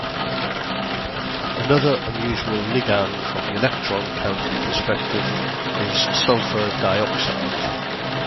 Another unusual ligand from the electron counting perspective is sulfur dioxide.